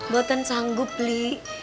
buat yang sanggup li